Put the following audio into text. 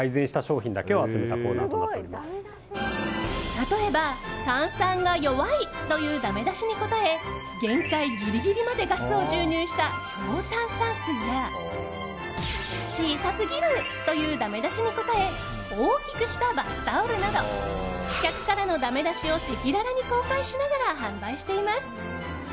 例えば、炭酸が弱いというダメ出しに応え限界ギリギリまでガスを注入した強炭酸水や小さすぎるというダメ出しに応え大きくしたバスタオルなど客からのダメ出しを赤裸々に公開しながら販売しています。